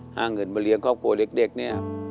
หาเงินมาเลี้ยงครอบครัวเล็กเนี่ย